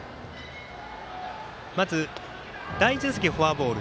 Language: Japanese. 第１打席、フォアボール。